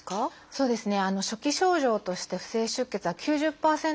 そうですね。